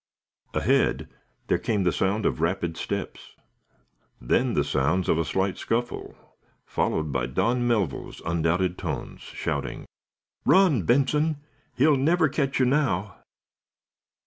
Ahead there came the sound of rapid steps. Then the sounds of a slight scuffle, followed by Don Melville's undoubted tones, shouting: "Run, Benson! He'll never catch you now!"